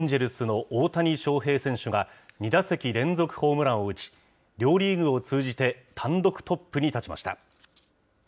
大リーグ・エンジェルスの大谷翔平選手が、２打席連続ホームランを打ち、両リーグを通じて単独トップに立ちました。